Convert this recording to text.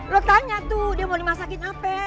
lo tanya tuh dia mau dimasakin apa